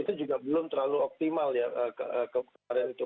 itu juga belum terlalu optimal ya kemarin itu